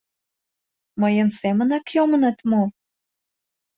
Мыйын семынак йомыныт мо?